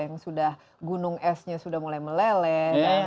yang sudah gunung esnya sudah mulai meleleh